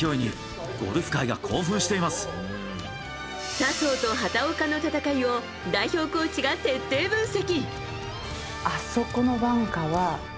笹生と畑岡の戦いを代表コーチが徹底分析。